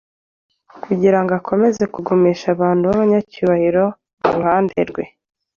kugira ngo akomeze kugumisha abantu b’abanyacyubahiro mu ruhande rwe,